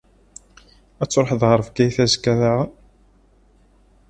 Ad truḥeḍ ɣer Bgayet azekka daɣen?